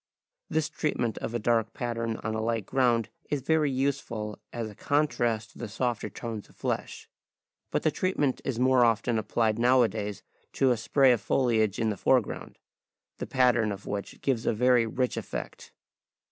This treatment of a dark pattern on a light ground is very useful as a contrast to the softer tones of flesh. But the treatment is more often applied nowadays to a spray of foliage in the foreground, the pattern of which gives a very rich effect.